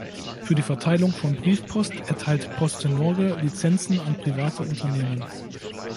Für die Verteilung von Briefpost erteilt Posten Norge Lizenzen an private Unternehmen.